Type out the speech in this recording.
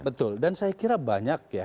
betul dan saya kira banyak ya